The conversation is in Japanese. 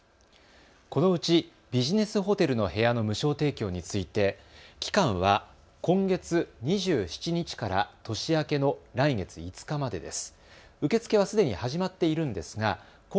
このうちビジネスホテルの部屋の無償提供について期間は今月２７日から年明けの来月５日までです。